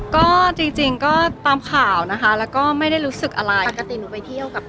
ก็จริงก็ตามข่าวนะคะแล้วก็ไม่ได้รู้สึกอะไรปกติหนูไปเที่ยวกับ